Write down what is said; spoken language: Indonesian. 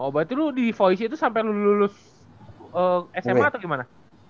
oh berarti lu di voice itu sampe lu lulus smp atau gimana